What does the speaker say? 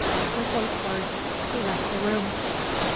_" With those words he left the room.